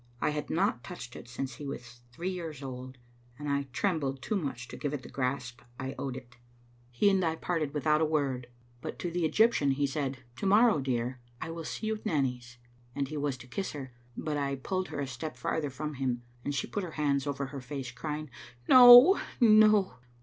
I had not touched it since he was three years old, and I trem bled too much to give it the grasp I owed it. He and Digitized by VjOOQ IC 904 XSbc %m\€ Ainteter. I parted without a word, but to the Egyptian he said, "To morrow, dear, I will see you at Nanny's," and he was to kiss her, but I pulled her a step farther from him, and she put her hands over her face, crjring, " No, no!"